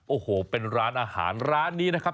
โอ้โหเป็นร้านอาหารร้านนี้นะครับ